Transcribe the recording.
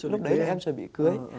lúc đấy là em chuẩn bị cưới